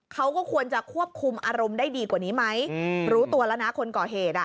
เขาก็ควรจะควบคุมอารมณ์ได้ดีกว่านี้ไหมรู้ตัวแล้วนะคนก่อเหตุอ่ะ